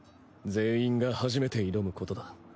全員が初めて挑むことだ。